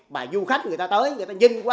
mà du khách người ta tới người ta nhìn qua